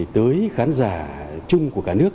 tới khán giả chung của cả nước